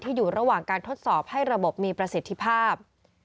อยู่ระหว่างการทดสอบให้ระบบมีประสิทธิภาพ